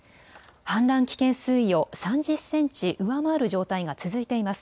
氾濫危険水位を３０センチ上回る状態が続いています。